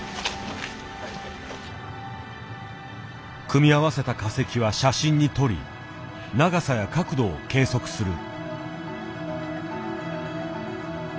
組み合わせた化石は写真に撮り長さや角度を計測する。